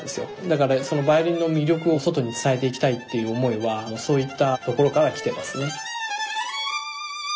だからそのバイオリンの魅力を外に伝えていきたいっていう思いはそういったところからきていますね。